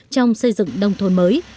trong xây dựng nông thôn mới